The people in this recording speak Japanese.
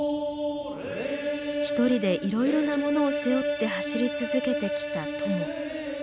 １人でいろいろなものを背負って走り続けてきた「友」。